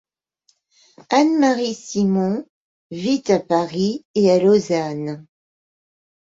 Anne-Marie Simond vit à Paris et à Lausanne.